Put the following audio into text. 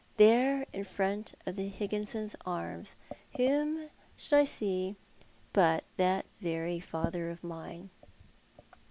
There in front of the Higginson Arms whom should I see but that very father of mine